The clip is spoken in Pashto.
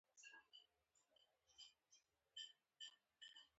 بکتریاوې څنګه ناروغي خپروي؟